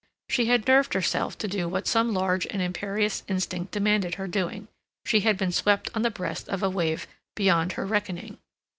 She had nerved herself to do what some large and imperious instinct demanded her doing; she had been swept on the breast of a wave beyond her reckoning.